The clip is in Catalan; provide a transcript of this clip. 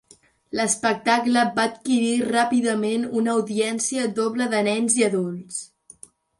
L'espectacle va adquirir ràpidament una audiència doble de nens i adults.